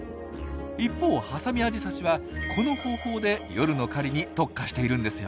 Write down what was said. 一方ハサミアジサシはこの方法で夜の狩りに特化しているんですよ。